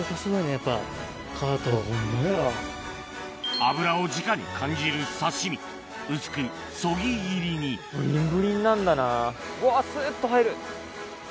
脂をじかに感じる刺し身薄くそぎ切りにぶりんぶりんなんだなうわすっと入る！